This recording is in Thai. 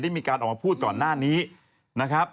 มีการออกมาพูดก่อนหน้านี้นะครับ